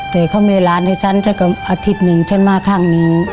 แต่เขามีร้านให้ฉันแต่ก็อาทิตย์หนึ่งฉันมาครั้งนี้